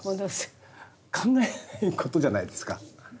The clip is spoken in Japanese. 考えられないことじゃないですか。